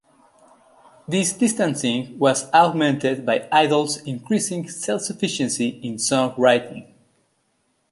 This distancing was augmented by Idol's increasing self-sufficiency in song-writing.